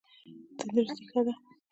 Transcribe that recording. تندرستي ښه ده.